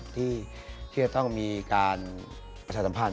ที่จะต้องมีการประชาทับภัณฑ์